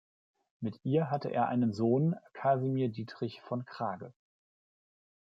Mit ihr hatte er einen Sohn, Casimir Dietrich von Krage.